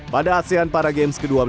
pada asean paragames ke dua belas